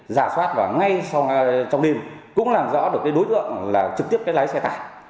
giả soát vào ngay trong đêm cũng làm rõ được đối tượng là trực tiếp lái xe tải